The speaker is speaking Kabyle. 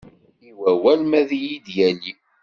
I wawal ma ad iyi-d-yali.